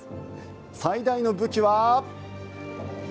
最大の武器は。